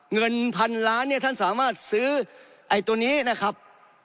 เงินพันล้านเนี่ยท่านสามารถซื้อไอ้ตัวนี้นะครับ